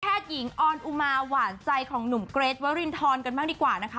หญิงออนอุมาหวานใจของหนุ่มเกรทวรินทรกันบ้างดีกว่านะคะ